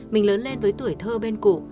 mình lớn lên với tuổi thơ bên cụ